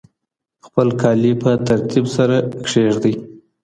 خپل کالي په ترتیب سره کښېږدئ.